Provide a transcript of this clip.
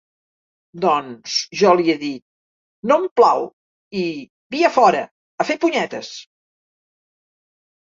Doncs, jo li he dit: «No em plau!» I, via fora, a fer punyetes!